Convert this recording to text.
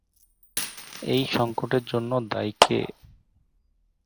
এই সঙ্কটের জন্য দায়ী কে?